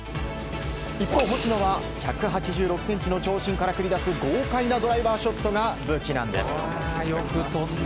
一方、星野は１８６ｃｍの長身から繰り出す豪快なドライバーショットが武器なんです。